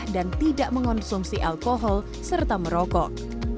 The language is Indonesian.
dan tidak mengonsumsi alkohol serta merokok